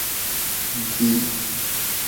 ڈی